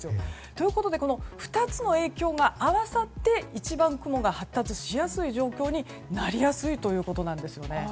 ということで２つの影響が合わさって一番、雲が発達しやすい状況になりやすいんですね。